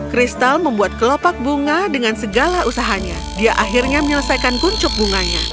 kristal membuat kelopak bunga dengan segala usahanya dia akhirnya menyelesaikan kuncup bunganya